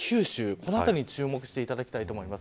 この辺りに注目していただきたいと思います。